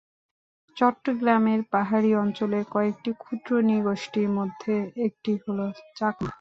চট্টগ্রামের পাহাড়ি অঞ্চলের কয়েকটি ক্ষুদ্র নৃগোষ্ঠীর মধ্যে একটি হলো চাকমা।